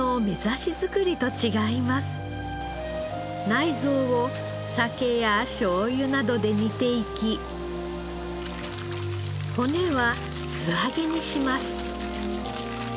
内臓を酒やしょうゆなどで煮ていき骨は素揚げにします。